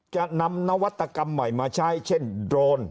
จะนำนวัตกรรมใหม่มาใช้เช่นโดรน